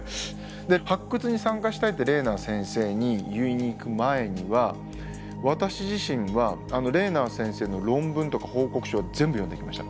で発掘に参加したいってレーナー先生に言いに行く前には私自身はレーナー先生の論文とか報告書を全部読んでいきました。